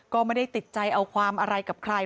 ก็ไม่ได้ติดใจเอาความอะไรกับใคร